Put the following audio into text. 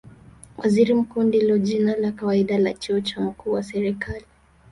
Waziri Mkuu ndilo jina la kawaida la cheo cha mkuu wa serikali.